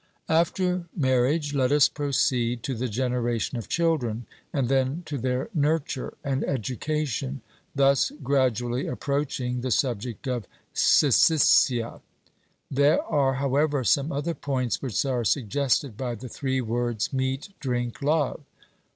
After marriage let us proceed to the generation of children, and then to their nurture and education thus gradually approaching the subject of syssitia. There are, however, some other points which are suggested by the three words meat, drink, love.